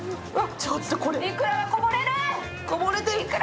いくらがこぼれる！